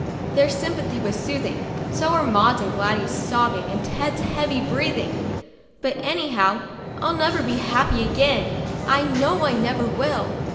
Their sympathy was soothing, so were Maud's and Gladys' sobbing and Ted's heavy breathing. But, any how, I'll never be happy again, I know I never will.